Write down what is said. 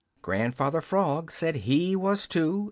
Grandfather Frog said he was too.